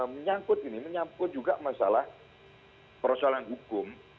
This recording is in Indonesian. menyangkut ini menyangkut juga masalah persoalan hukum